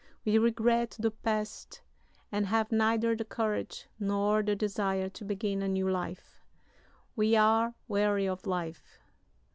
We regret the past and have neither the courage nor the desire to begin a new life. We are weary of life.